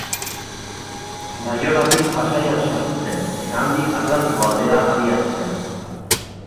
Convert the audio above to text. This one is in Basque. Baionatik Pasaian sartu zen eta handik Atlantiko aldera abiatu zen.